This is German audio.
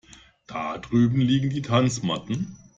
Da drüben liegen die Tanzmatten.